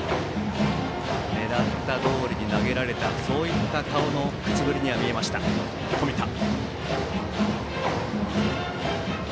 狙ったどおりに投げられたそういった顔の口ぶりには見えた冨田。